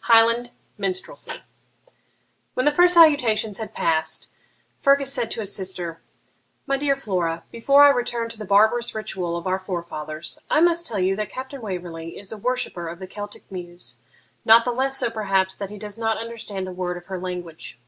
CHAPTER XXII HIGHLAND MINSTRELSY When the first salutations had passed, Fergus said to his sister, 'My dear Flora, before I return to the barbarous ritual of our forefathers, I must tell you that Captain Waverley is a worshipper of the Celtic muse, not the less so perhaps that he does not understand a word of her language.